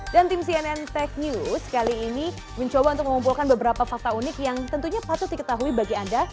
dan tim cnn tech news kali ini mencoba untuk mengumpulkan beberapa fakta unik yang tentunya patut diketahui bagi anda